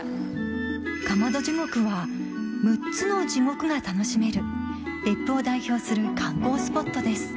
かまど地獄はが楽しめる別府を代表する観光スポットです